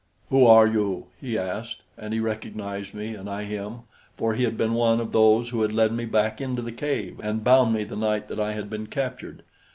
"Who are you?" he asked; and he recognized me and I him, for he had been one of those who had led me back into the cave and bound me the night that I had been captured.